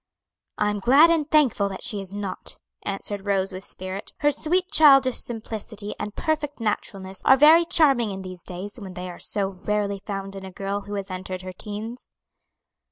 "I'm glad and thankful that she is not," answered Rose, with spirit; "her sweet childish simplicity and perfect naturalness are very charming in these days, when they are so rarely found in a girl who has entered her teens."